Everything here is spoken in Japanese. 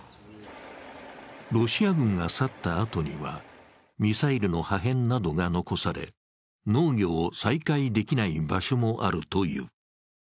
ロシア軍が去ったあとにはミサイルの破片などが残され、農業を再開できない場所もあるという。